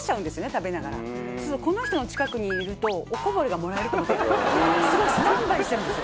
食べながらこの人の近くにいるとおこぼれがもらえると思ってすごいスタンバイしてるんですよ